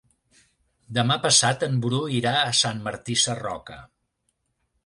Demà passat en Bru irà a Sant Martí Sarroca.